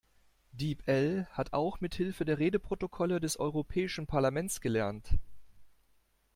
Deep-L hat auch mithilfe der Redeprotokolle des europäischen Parlaments gelernt.